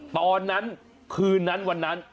ตอนนั้นคืนนั้นวันนั้น